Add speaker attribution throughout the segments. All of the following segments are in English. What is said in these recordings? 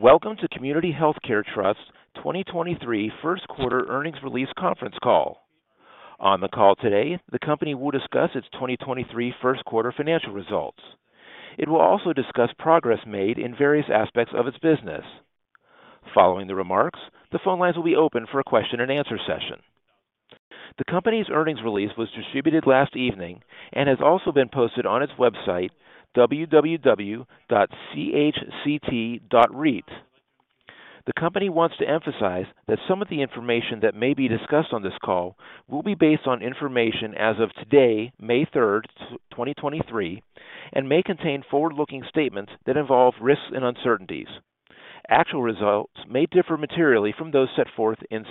Speaker 1: Welcome to Community Healthcare Trust 2023 first quarter earnings release conference call. On the call today, the company will discuss its 2023 first quarter financial results. It will also discuss progress made in various aspects of its business. Following the remarks, the phone lines will be open for a question and answer session. The company's earnings release was distributed last evening and has also been posted on its website, www.chct.reit. The company wants to emphasize that some of the information that may be discussed on this call will be based on information as of today, May third, 2023, and may contain forward-looking statements that involve risks and uncertainties. Actual results may differ materially from those set forth in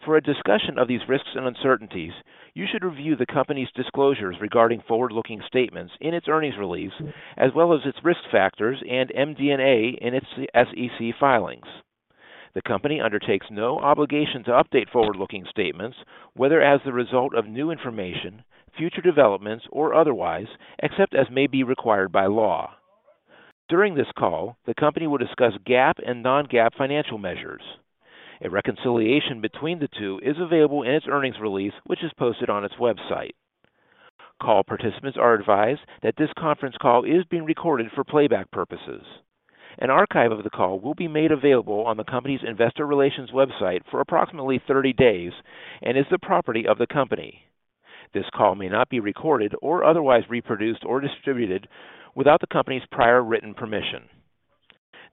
Speaker 1: such statements. For a discussion of these risks and uncertainties, you should review the company's disclosures regarding forward-looking statements in its earnings release, as well as its risk factors and MD&A in its SEC filings. The company undertakes no obligation to update forward-looking statements, whether as a result of new information, future developments, or otherwise, except as may be required by law. During this call, the company will discuss GAAP and non-GAAP financial measures. A reconciliation between the two is available in its earnings release, which is posted on its website. Call participants are advised that this conference call is being recorded for playback purposes. An archive of the call will be made available on the company's investor relations website for approximately 30 days and is the property of the company. This call may not be recorded or otherwise reproduced or distributed without the company's prior written permission.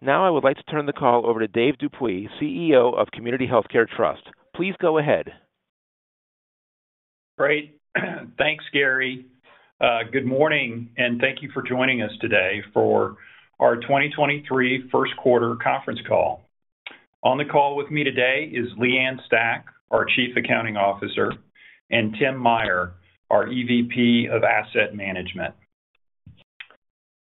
Speaker 1: Now I would like to turn the call over to Dave Dupuy, CEO of Community Healthcare Trust. Please go ahead.
Speaker 2: Great. Thanks, Gary. Good morning, and thank you for joining us today for our 2023 first quarter conference call. On the call with me today is Leigh Ann Stach, our Chief Accounting Officer, and Tim Meyer, our EVP of Asset Management.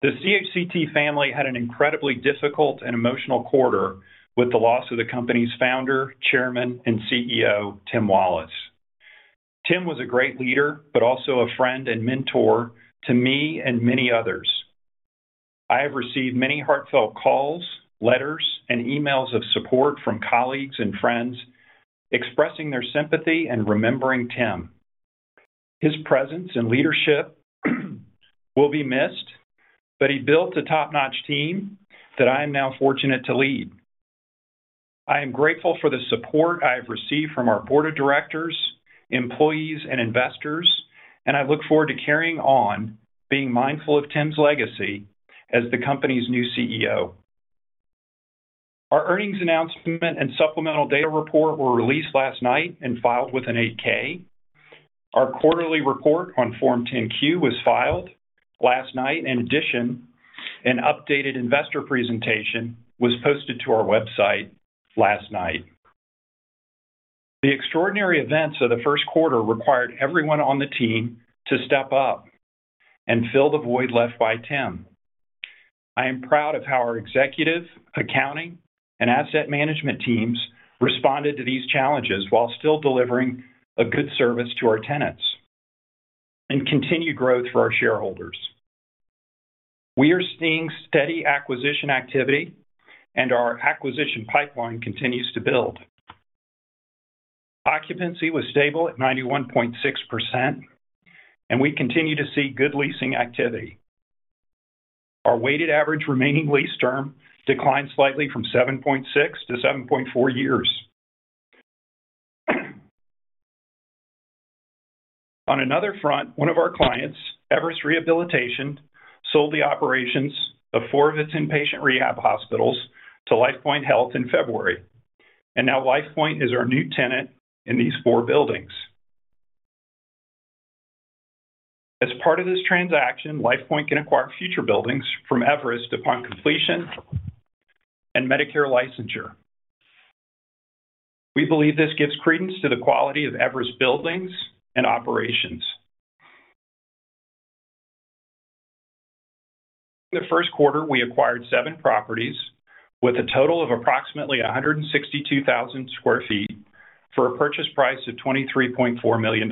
Speaker 2: The CHCT family had an incredibly difficult and emotional quarter with the loss of the company's Founder, Chairman, and CEO, Tim Wallace. Tim was a great leader, but also a friend and mentor to me and many others. I have received many heartfelt calls, letters, and emails of support from colleagues and friends expressing their sympathy and remembering Tim. His presence and leadership will be missed, but he built a top-notch team that I am now fortunate to lead. I am grateful for the support I have received from our board of directors, employees, and investors. I look forward to carrying on being mindful of Tim's legacy as the company's new CEO. Our earnings announcement and supplemental data report were released last night and filed with an 8-K. Our quarterly report on form 10-Q was filed last night. In addition, an updated investor presentation was posted to our website last night. The extraordinary events of the first quarter required everyone on the team to step up and fill the void left by Tim. I am proud of how our executive, accounting, and asset management teams responded to these challenges while still delivering a good service to our tenants and continued growth for our shareholders. We are seeing steady acquisition activity. Our acquisition pipeline continues to build. Occupancy was stable at 91.6%. We continue to see good leasing activity. Our weighted average remaining lease term declined slightly from 7.6 to 7.4 years. On another front, one of our clients, Everest Rehabilitation, sold the operations of four of its inpatient rehab hospitals to LifePoint Health in February. Now LifePoint is our new tenant in these four buildings. As part of this transaction, LifePoint can acquire future buildings from Everest upon completion and Medicare licensure. We believe this gives credence to the quality of Everest buildings and operations. In the first quarter, we acquired seven properties with a total of approximately 162,000 sq ft for a purchase price of $23.4 million.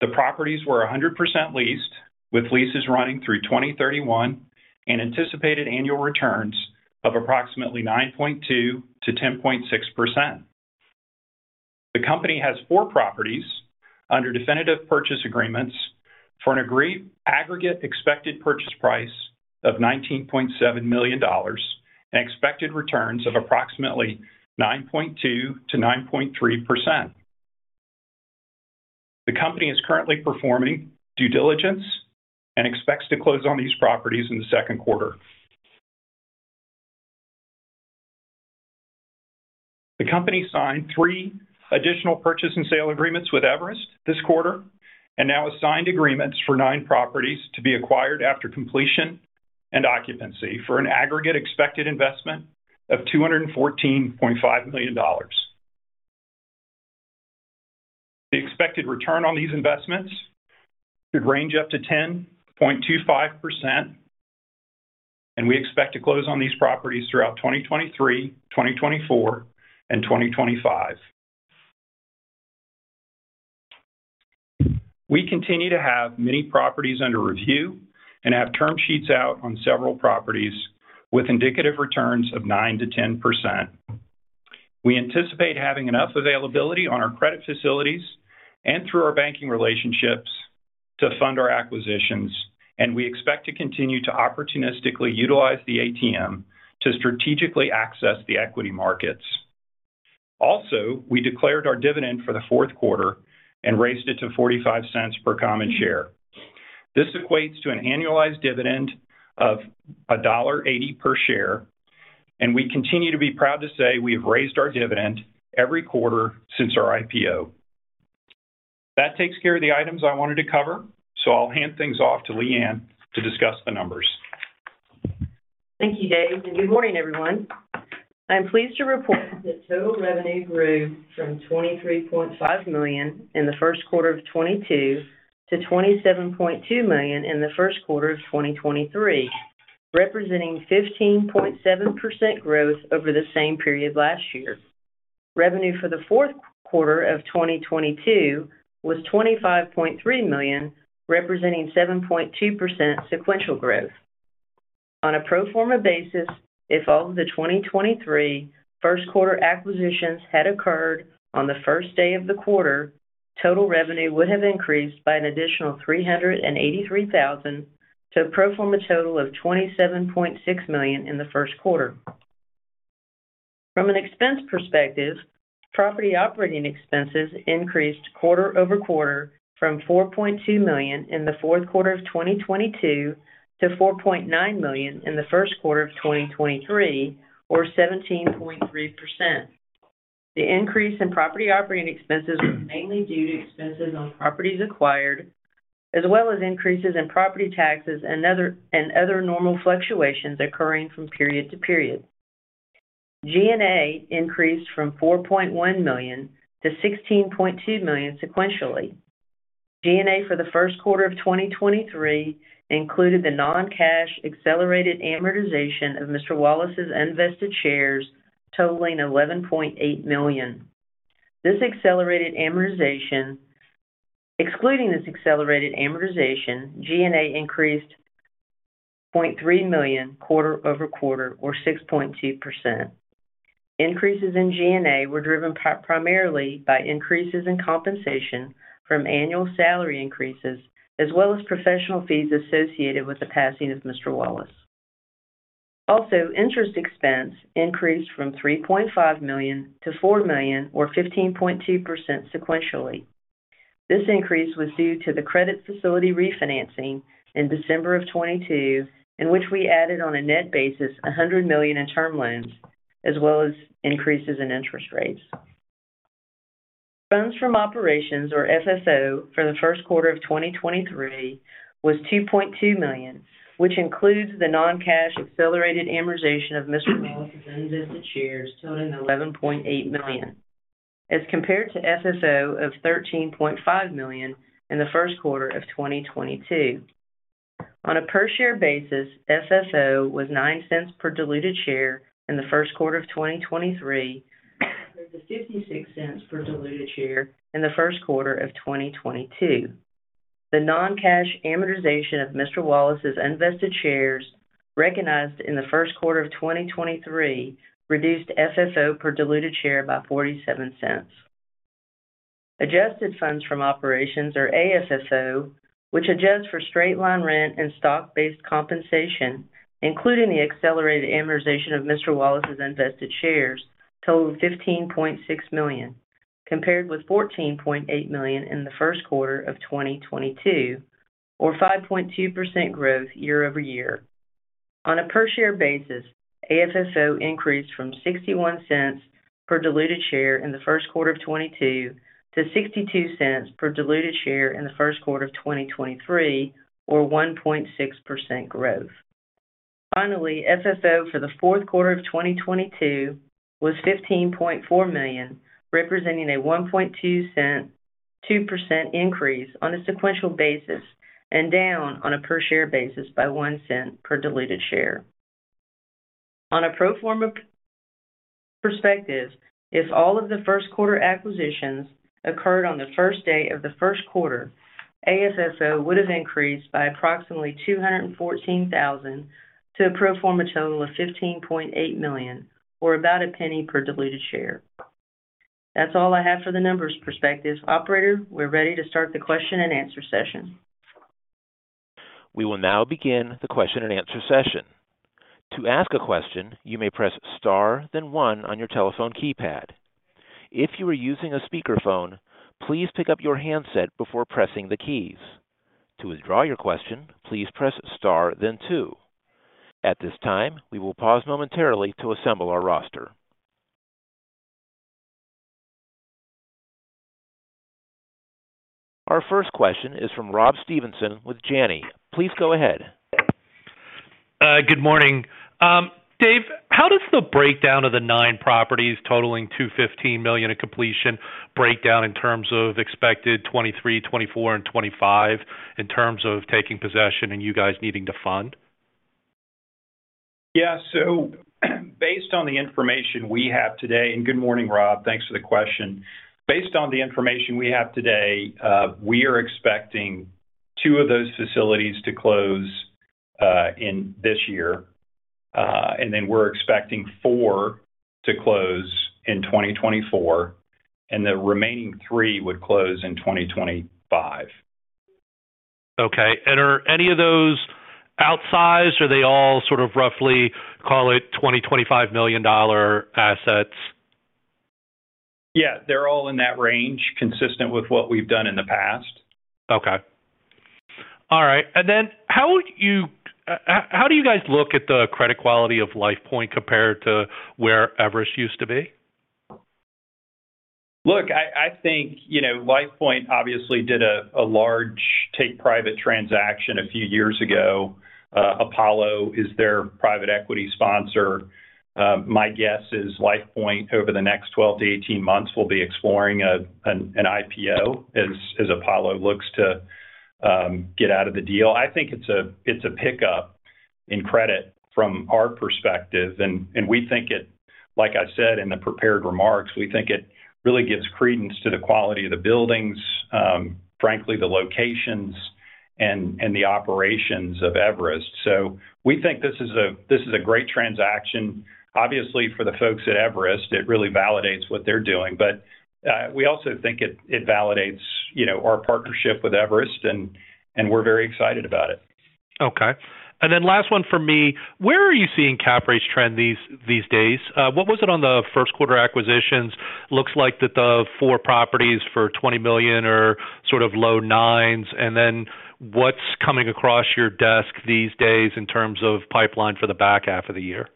Speaker 2: The properties were 100% leased, with leases running through 2031 and anticipated annual returns of approximately 9.2%-10.6%. The company has four properties under definitive purchase agreements for an agreed aggregate expected purchase price of $19.7 million and expected returns of approximately 9.2%-9.3%. The company is currently performing due diligence and expects to close on these properties in the second quarter. The company signed three additional purchase and sale agreements with Everest this quarter and now has signed agreements for nine properties to be acquired after completion and occupancy for an aggregate expected investment of $214.5 million. The expected return on these investments could range up to 10.25%, and we expect to close on these properties throughout 2023, 2024, and 2025. We continue to have many properties under review and have term sheets out on several properties with indicative returns of 9%-10%. We anticipate having enough availability on our credit facilities and through our banking relationships to fund our acquisitions, and we expect to continue to opportunistically utilize the ATM to strategically access the equity markets. We declared our dividend for the fourth quarter and raised it to $0.45 per common share. This equates to an annualized dividend of $1.80 per share, and we continue to be proud to say we have raised our dividend every quarter since our IPO. That takes care of the items I wanted to cover, so I'll hand things off to Leigh Ann to discuss the numbers.
Speaker 3: Thank you, Dave. Good morning, everyone. I'm pleased to report that total revenue grew from $23.5 million in the first quarter of 2022 to $27.2 million in the first quarter of 2023, representing 15.7% growth over the same period last year. Revenue for the fourth quarter of 2022 was $25.3 million, representing 7.2% sequential growth. On a pro forma basis, if all of the 2023 first quarter acquisitions had occurred on the first day of the quarter, total revenue would have increased by an additional $383,000 to a pro forma total of $27.6 million in the first quarter. From an expense perspective, property operating expenses increased quarter-over-quarter from $4.2 million in the fourth quarter of 2022 to $4.9 million in the first quarter of 2023 or 17.3%. The increase in property operating expenses was mainly due to expenses on properties acquired, as well as increases in property taxes and other normal fluctuations occurring from period to period. G&A increased from $4.1 million to $16.2 million sequentially. G&A for the first quarter of 2023 included the non-cash accelerated amortization of Mr. Wallace's unvested shares, totaling $11.8 million. Excluding this accelerated amortization, G&A increased $0.3 million quarter-over-quarter or 6.2%. Increases in G&A were driven primarily by increases in compensation from annual salary increases as well as professional fees associated with the passing of Mr. Wallace. Interest expense increased from $3.5 million to $4 million or 15.2% sequentially. This increase was due to the credit facility refinancing in December of 2022, in which we added on a net basis $100 million in term loans as well as increases in interest rates. Funds from operations, or FFO, for the first quarter of 2023 was $2.2 million, which includes the non-cash accelerated amortization of Mr. Wallace's unvested shares totaling $11.8 million, as compared to FFO of $13.5 million in the first quarter of 2022. On a per-share basis, FFO was $0.09 per diluted share in the first quarter of 2023 compared to $0.56 per diluted share in the first quarter of 2022. The non-cash amortization of Mr. Wallace's unvested shares recognized in the first quarter of 2023 reduced FFO per diluted share by $0.47. Adjusted funds from operations or AFFO, which adjusts for straight line rent and stock-based compensation, including the accelerated amortization of Mr. Wallace's unvested shares, totaled $15.6 million, compared with $14.8 million in the first quarter of 2022, or 5.2% growth year-over-year. On a per-share basis, AFFO increased from $0.61 per diluted share in the first quarter of 2022 to $0.62 per diluted share in the first quarter of 2023 or 1.6% growth. Finally, FFO for the fourth quarter of 2022 was $15.4 million, representing a 1.2 cent 2% increase on a sequential basis and down on a per-share basis by $0.01 per diluted share. On a pro forma perspective, if all of the 1st quarter acquisitions occurred on the 1st day of the 1st quarter, AFFO would have increased by approximately $214,000 to a pro forma total of $15.8 million or about $0.01 per diluted share. That's all I have for the numbers perspective. Operator, we're ready to start the question and answer session.
Speaker 1: We will now begin the question and answer session. To ask a question, you may press star then one on your telephone keypad. If you are using a speakerphone, please pick up your handset before pressing the keys. To withdraw your question, please press star then two. At this time, we will pause momentarily to assemble our roster. Our first question is from Rob Stevenson with Janney. Please go ahead.
Speaker 4: Good morning. Dave, how does the breakdown of the nine properties totaling $215 million in completion breakdown in terms of expected 2023, 2024, and 2025 in terms of taking possession and you guys needing to fund?
Speaker 2: Yeah. Based on the information we have today... Good morning, Rob. Thanks for the question. Based on the information we have today, we are expecting two of those facilities to close in this year. We're expecting four to close in 2024, and the remaining three would close in 2025.
Speaker 4: Okay. Are any of those outsized or are they all sort of roughly, call it, $20 million-$25 million assets?
Speaker 2: Yeah. They're all in that range, consistent with what we've done in the past.
Speaker 4: Okay. All right. How do you guys look at the credit quality of LifePoint compared to where Everest used to be?
Speaker 2: Look, I think, you know, LifePoint obviously did a large take-private transaction a few years ago. Apollo is their private equity sponsor. My guess is LifePoint, over the next 12 -18 months, will be exploring an IPO as Apollo looks to get out of the deal. I think it's a pickup in credit from our perspective and we think it like I said in the prepared remarks, we think it really gives credence to the quality of the buildings, frankly, the locations and the operations of Everest. We think this is a great transaction. Obviously, for the folks at Everest, it really validates what they're doing. We also think it validates, you know, our partnership with Everest, and we're very excited about it.
Speaker 4: Okay. Last one from me. Where are you seeing cap rates trend these days? What was it on the first quarter acquisitions? Looks like that the four properties for $20 million are sort of low nines. What's coming across your desk these days in terms of pipeline for the back half of the year?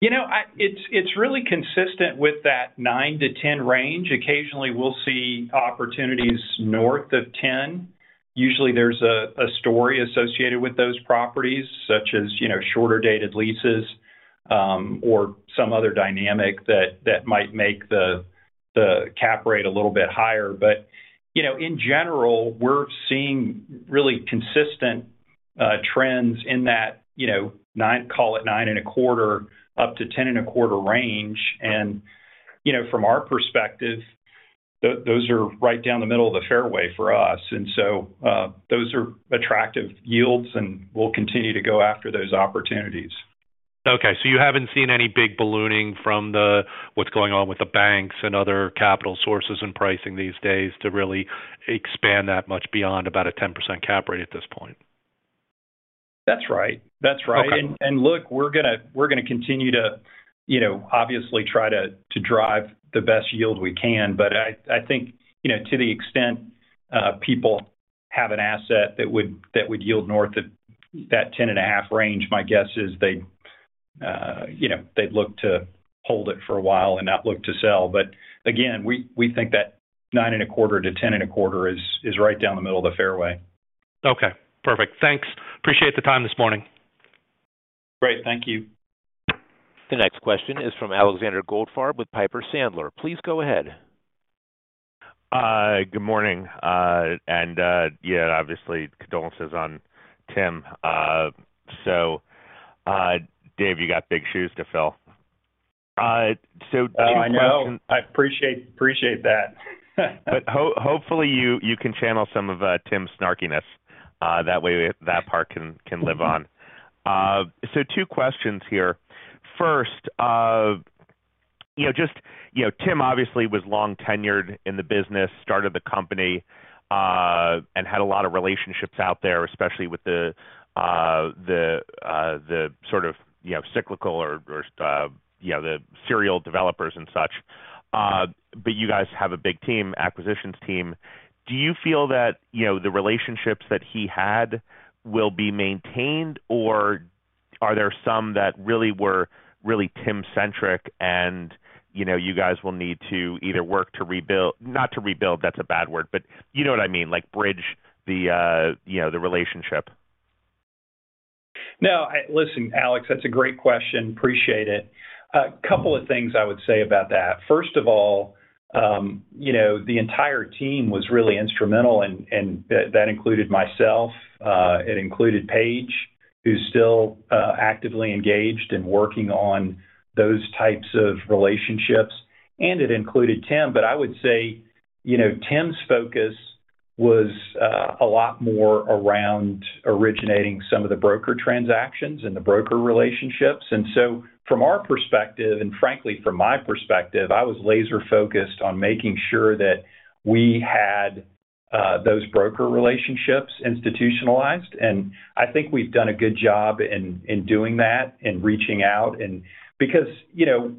Speaker 2: You know, it's really consistent with that 9%-10% range. Occasionally, we'll see opportunities north of 10%. Usually, there's a story associated with those properties, such as, you know, shorter dated leases, or some other dynamic that might make the cap rate a little bit higher. You know, in general, we're seeing really consistent trends in that, you know, call it 9.25%-10.25% range. You know, from our perspective, those are right down the middle of the fairway for us. Those are attractive yields, and we'll continue to go after those opportunities.
Speaker 4: You haven't seen any big ballooning from the, what's going on with the banks and other capital sources and pricing these days to really expand that much beyond about a 10% cap rate at this point?
Speaker 2: That's right. That's right.
Speaker 4: Okay.
Speaker 2: Look, we're gonna, we're gonna continue to, you know, obviously try to drive the best yield we can. I think, you know, to the extent people have an asset that would, that would yield north of that 10.5% range, my guess is they'd, you know, they'd look to hold it for a while and not look to sell. Again, we think that 9.25%-10.25% is right down the middle of the fairway.
Speaker 4: Okay. Perfect. Thanks. Appreciate the time this morning.
Speaker 2: Great. Thank you.
Speaker 1: The next question is from Alexander Goldfarb with Piper Sandler. Please go ahead.
Speaker 5: Good morning. Yeah, obviously condolences on Tim. Dave, you got big shoes to fill.
Speaker 2: I know. I appreciate that.
Speaker 5: Hopefully you can channel some of Tim's snarkiness, that way that part can live on. Two questions here. First, you know, just, you know, Tim obviously was long tenured in the business, started the company, and had a lot of relationships out there, especially with the, the sort of, you know, cyclical or, you know, the serial developers and such. You guys have a big team, acquisitions team. Do you feel that, you know, the relationships that he had will be maintained, or are there some that really were really Tim-centric and, you know, you guys will need to either work to rebuild. Not to rebuild, that's a bad word, but you know what I mean. Like, bridge the, you know, the relationship.
Speaker 2: No. Listen, Alex, that's a great question. Appreciate it. A couple of things I would say about that. First of all, you know, the entire team was really instrumental, and that included myself. It included Paige, who's still actively engaged in working on those types of relationships. It included Tim. I would say, you know, Tim's focus was a lot more around originating some of the broker transactions and the broker relationships. From our perspective, and frankly from my perspective, I was laser-focused on making sure that we had those broker relationships institutionalized. I think we've done a good job in doing that and reaching out. Because, you know,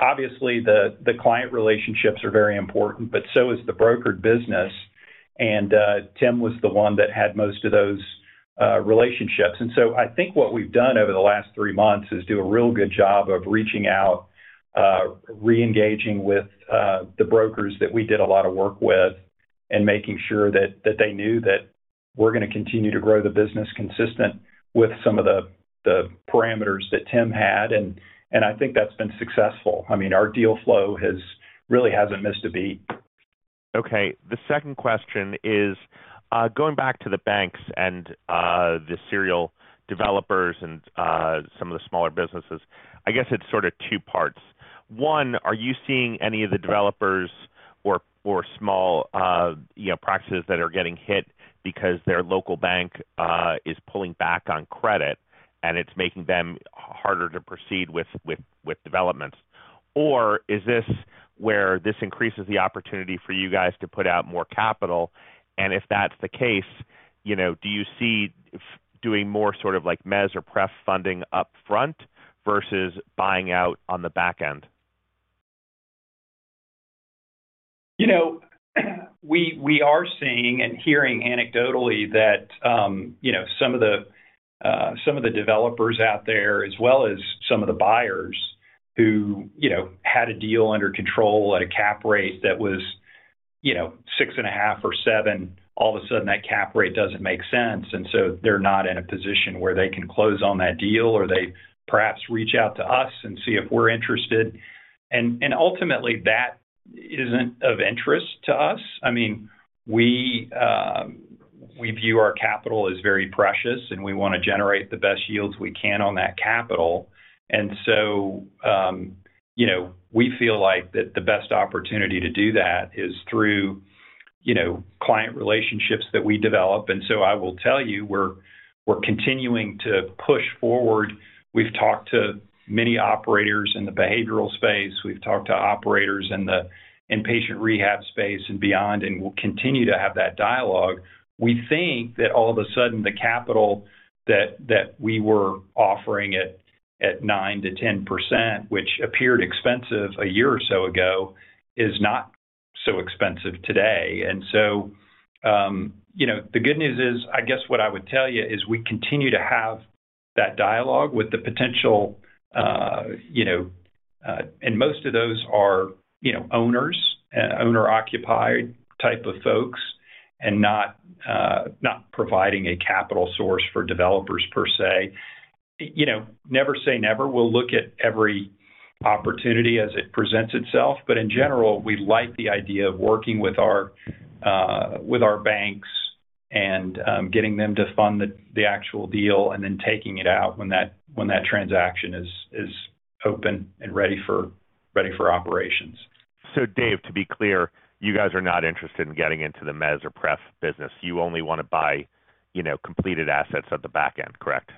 Speaker 2: obviously the client relationships are very important, but so is the brokered business. Tim was the one that had most of those relationships. I think what we've done over the last three months is do a real good job of reaching out, re-engaging with the brokers that we did a lot of work with and making sure that they knew that we're gonna continue to grow the business consistent with some of the parameters that Tim had. I think that's been successful. I mean, our deal flow has really hasn't missed a beat.
Speaker 5: Okay. The second question is, going back to the banks and, the serial developers and, some of the smaller businesses, I guess it's sort of two parts. One, are you seeing any of the developers or small, you know, practices that are getting hit because their local bank, is pulling back on credit and it's making them harder to proceed with developments? Or is this where this increases the opportunity for you guys to put out more capital? If that's the case, you know, do you see doing more sort of like mezz or pref funding upfront versus buying out on the back end?
Speaker 2: You know, we are seeing and hearing anecdotally that, you know, some of the, some of the developers out there as well as some of the buyers who, you know, had a deal under control at a cap rate that was, you know, 6.5% or 7%, all of a sudden that cap rate doesn't make sense, and so they're not in a position where they can close on that deal, or they perhaps reach out to us and see if we're interested. Ultimately, that isn't of interest to us. I mean, we view our capital as very precious, and we wanna generate the best yields we can on that capital. You know, we feel like that the best opportunity to do that is through, you know, client relationships that we develop. I will tell you, we're continuing to push forward. We've talked to many operators in the behavioral space. We've talked to operators in the inpatient rehab space and beyond, and we'll continue to have that dialogue. We think that all of a sudden the capital that we were offering it at 9% to 10%, which appeared expensive a year or so ago, is not so expensive today. The good news is, I guess what I would tell you is we continue to have that dialogue with the potential, you know, and most of those are, you know, owners, owner-occupied type of folks and not providing a capital source for developers per se. You know, never say never. We'll look at every opportunity as it presents itself. In general, we like the idea of working with our banks and getting them to fund the actual deal and then taking it out when that transaction is open and ready for operations.
Speaker 5: Dave, to be clear, you guys are not interested in getting into the mezz or pref business. You only wanna buy, you know, completed assets at the back end, correct?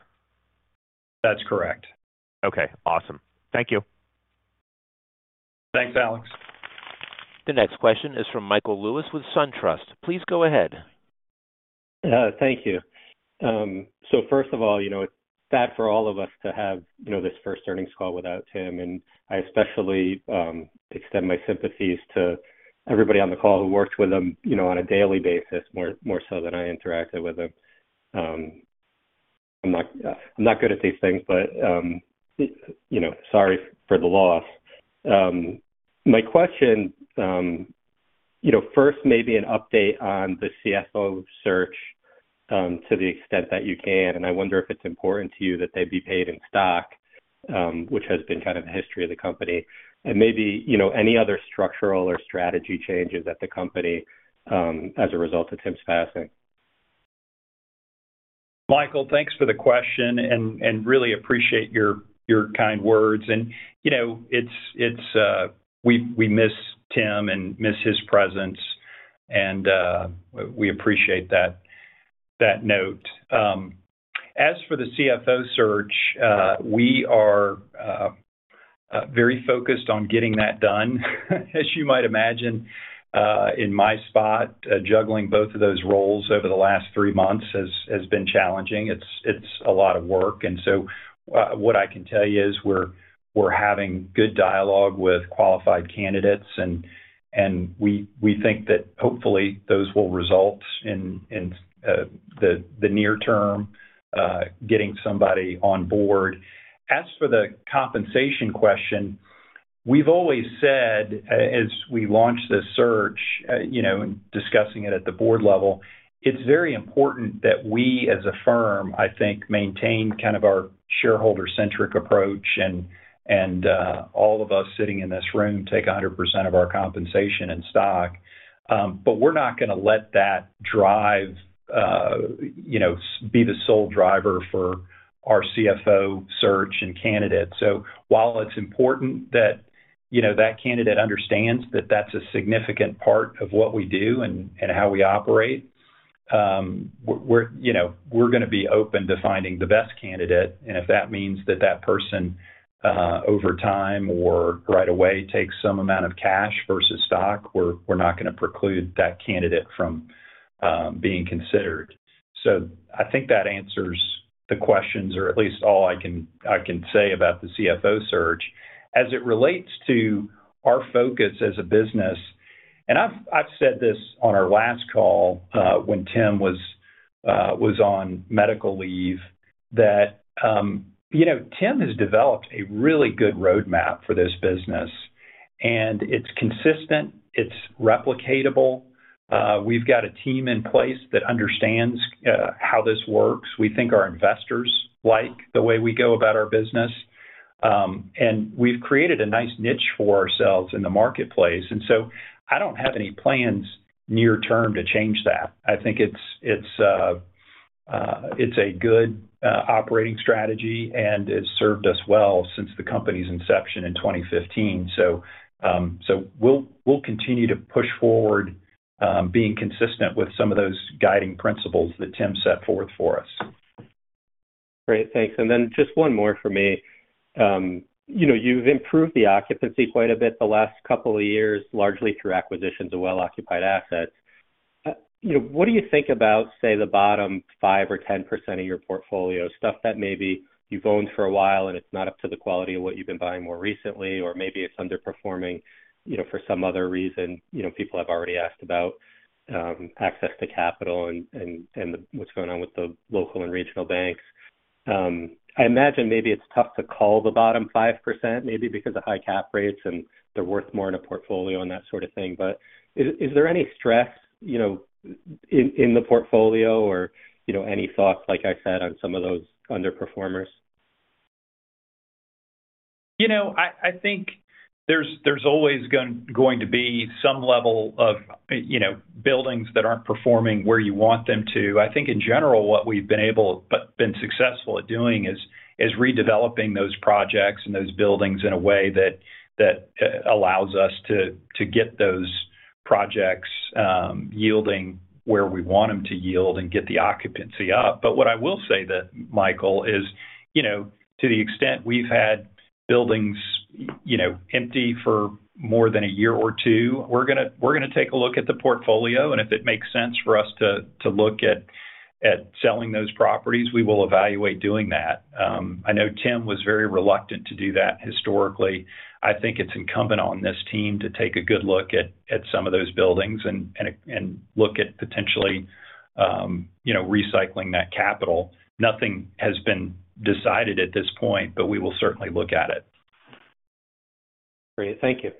Speaker 2: That's correct.
Speaker 5: Okay, awesome. Thank you.
Speaker 2: Thanks, Alex.
Speaker 1: The next question is from Michael Lewis with Truist Securities. Please go ahead.
Speaker 6: Thank you. First of all, you know, it's sad for all of us to have, you know, this first earnings call without Tim, and I especially extend my sympathies to everybody on the call who worked with him, you know, on a daily basis, more so than I interacted with him. I'm not good at these things, you know, sorry for the loss. My question, you know, first maybe an update on the CFO search, to the extent that you can, and I wonder if it's important to you that they'd be paid in stock, which has been kind of the history of the company. Maybe, you know, any other structural or strategy changes at the company, as a result of Tim's passing.
Speaker 2: Michael, thanks for the question and really appreciate your kind words. You know, it's we miss Tim and miss his presence, and we appreciate that note. As for the CFO search, we are very focused on getting that done. As you might imagine, in my spot, juggling both of those roles over the last three months has been challenging. It's a lot of work. What I can tell you is we're having good dialogue with qualified candidates and we think that hopefully those will result in the near term getting somebody on board. As for the compensation question, we've always said as we launched this search, you know, discussing it at the board level, it's very important that we as a firm, I think, maintain kind of our shareholder-centric approach and all of us sitting in this room take 100% of our compensation in stock. We're not gonna let that drive, you know, be the sole driver for our CFO search and candidates. While it's important that, you know, that candidate understands that that's a significant part of what we do and how we operate, we're, you know, we're gonna be open to finding the best candidate. If that means that that person over time or right away takes some amount of cash versus stock, we're not gonna preclude that candidate from being considered. I think that answers the questions or at least all I can say about the CFO search. As it relates to our focus as a business, I've said this on our last call, when Tim was on medical leave, that, you know, Tim has developed a really good roadmap for this business. It's consistent, it's replicable. We've got a team in place that understands how this works. We think our investors like the way we go about our business. We've created a nice niche for ourselves in the marketplace. I don't have any plans near term to change that. I think it's a good operating strategy, and it's served us well since the company's inception in 2015. We'll continue to push forward, being consistent with some of those guiding principles that Tim set forth for us.
Speaker 6: Great. Thanks. Then just one more for me. you know, you've improved the occupancy quite a bit the last couple of years, largely through acquisitions of well-occupied assets. you know, what do you think about, say, the bottom 5% or 10% of your portfolio, stuff that maybe you've owned for a while and it's not up to the quality of what you've been buying more recently or maybe it's underperforming, you know, for some other reason. You know, people have already asked about access to capital and, and what's going on with the local and regional banks. I imagine maybe it's tough to call the bottom 5% maybe because of high cap rates and they're worth more in a portfolio and that sort of thing. Is there any stress, you know, in the portfolio or, you know, any thoughts, like I said, on some of those underperformers?
Speaker 2: You know, I think there's always going to be some level of, you know, buildings that aren't performing where you want them to. I think in general, what we've been successful at doing is redeveloping those projects and those buildings in a way that allows us to get those projects yielding where we want them to yield and get the occupancy up. What I will say that, Michael, is, you know, to the extent we've had buildings, you know, empty for more than a year or two, we're gonna take a look at the portfolio, and if it makes sense for us to look at selling those properties, we will evaluate doing that. I know Tim was very reluctant to do that historically. I think it's incumbent on this team to take a good look at some of those buildings and look at potentially, you know, recycling that capital. Nothing has been decided at this point, but we will certainly look at it.
Speaker 6: Great. Thank you.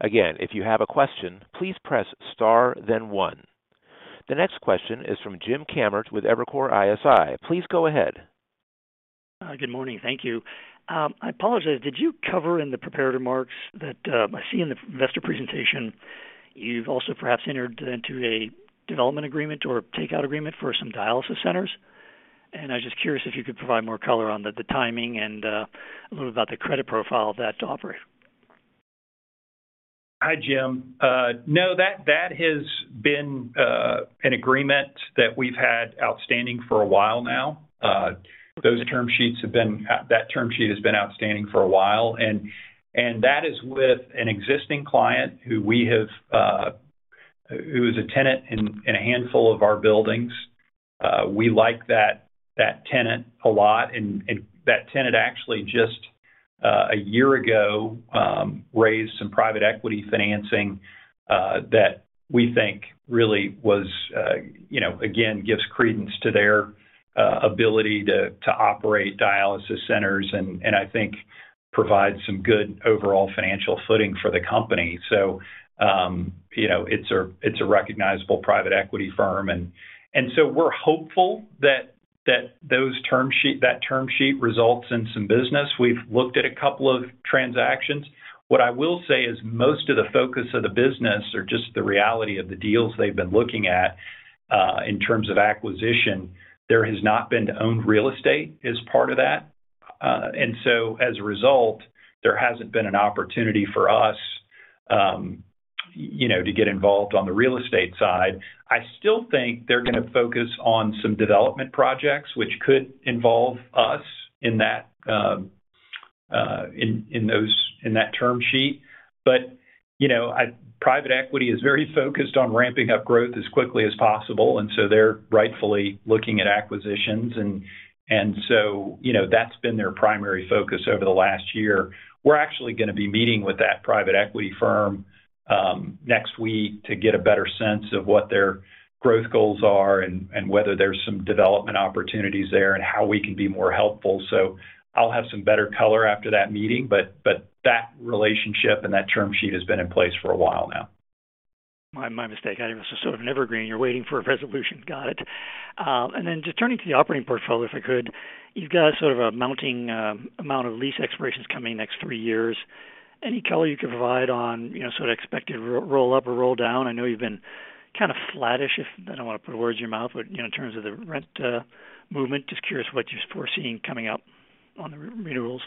Speaker 1: Again, if you have a question, please press star then one. The next question is from Jim Kammert with Evercore ISI. Please go ahead.
Speaker 7: good morning. Thank you. I apologize, did you cover in the prepared remarks that, I see in the investor presentation, you've also perhaps entered into a development agreement or takeout agreement for some dialysis centers? I was just curious if you could provide more color on the timing and, a little about the credit profile of that to operate.
Speaker 2: Hi, Jim. No, that has been an agreement that we've had outstanding for a while now. That term sheet has been outstanding for a while, and that is with an existing client who we have, who is a tenant in a handful of our buildings. We like that tenant a lot. That tenant actually just a year ago, raised some private equity financing that we think really was, you know, again, gives credence to their ability to operate dialysis centers and I think provides some good overall financial footing for the company. You know, it's a recognizable private equity firm. We're hopeful that that term sheet results in some business. We've looked at a couple of transactions. What I will say is most of the focus of the business or just the reality of the deals they've been looking at, in terms of acquisition, there has not been owned real estate as part of that. As a result, there hasn't been an opportunity for us, you know, to get involved on the real estate side. I still think they're gonna focus on some development projects which could involve us in that term sheet. You know, private equity is very focused on ramping up growth as quickly as possible, and so they're rightfully looking at acquisitions. You know, that's been their primary focus over the last year. We're actually gonna be meeting with that private equity firm next week to get a better sense of what their growth goals are and whether there's some development opportunities there and how we can be more helpful. I'll have some better color after that meeting, but that relationship and that term sheet has been in place for a while now.
Speaker 7: My mistake. I knew this was sort of an evergreen. You're waiting for a resolution. Got it. Just turning to the operating portfolio, if I could, you've got sort of a mounting amount of lease expirations coming next three years. Any color you could provide on, you know, sort of expected roll up or roll down? I know you've been kind of flattish, I don't wanna put words in your mouth, but, you know, in terms of the rent movement, just curious what you're foreseeing coming up on the renewals.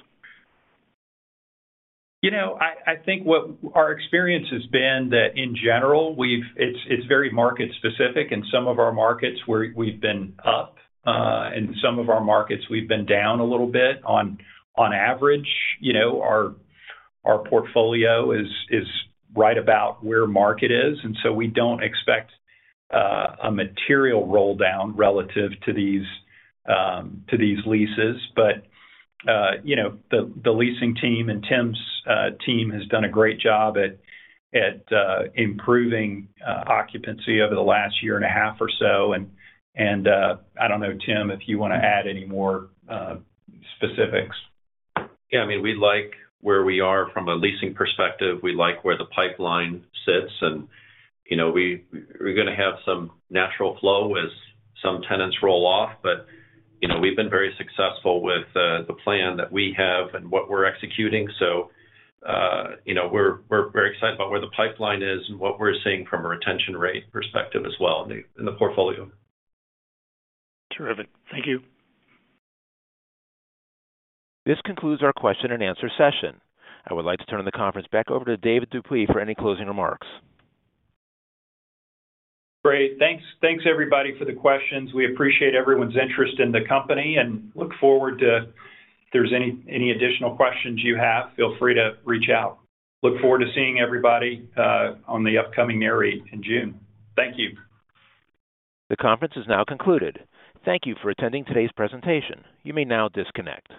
Speaker 2: You know, I think what our experience has been that in general, it's very market-specific. In some of our markets we've been up. In some of our markets we've been down a little bit. On average, you know, our portfolio is right about where market is, we don't expect a material roll down relative to these to these leases. You know, the leasing team and Tim's team has done a great job at improving occupancy over the last year and a half or so. I don't know, Tim, if you wanna add any more specifics.
Speaker 8: Yeah. I mean, we like where we are from a leasing perspective. We like where the pipeline sits and, you know, we're gonna have some natural flow as some tenants roll off. You know, we've been very successful with the plan that we have and what we're executing. You know, we're very excited about where the pipeline is and what we're seeing from a retention rate perspective as well in the portfolio.
Speaker 7: Terrific. Thank you.
Speaker 1: This concludes our question and answer session. I would like to turn the conference back over to Dave Dupuy for any closing remarks.
Speaker 2: Great. Thanks everybody for the questions. We appreciate everyone's interest in the company and look forward to if there's any additional questions you have, feel free to reach out. Look forward to seeing everybody on the upcoming NAREIT in June. Thank you.
Speaker 1: The conference is now concluded. Thank you for attending today's presentation. You may now disconnect.